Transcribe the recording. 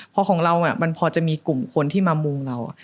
เพราะของเรามันพอจะมีกลุ่มคนที่มามุงเรา